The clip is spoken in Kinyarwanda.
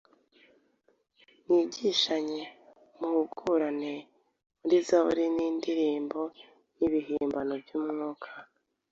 mwigishanye, muhugurane muri zaburi n’indirimbo n’ibihimbano by’umwuka